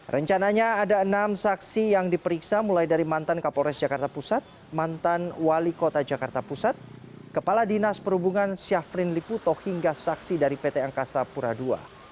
rencananya ada enam saksi yang diperiksa mulai dari mantan kapolres jakarta pusat mantan wali kota jakarta pusat kepala dinas perhubungan syafrin liputo hingga saksi dari pt angkasa pura ii